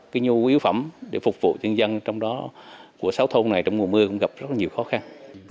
cái nhu yếu phẩm để phục vụ dân dân trong đó của sáu thôn này trong mùa mưa cũng gặp rất là nhiều khó khăn